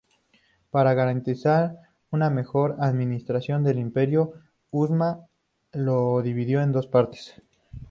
Para garantizar una mejor administración del Imperio, Usman lo dividió en dos partes.